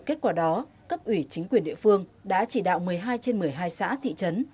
kết quả đó cấp ủy chính quyền địa phương đã chỉ đạo một mươi hai trên một mươi hai xã thị trấn